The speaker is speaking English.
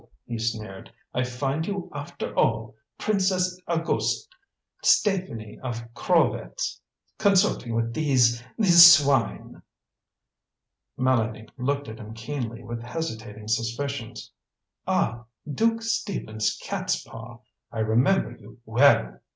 he sneered. "I find you after all, Princess Auguste Stéphanie of Krolvetz! Consorting with these these swine!" Mélanie looked at him keenly, with hesitating suspicions. "Ah! Duke Stephen's cat's paw! I remember you well!"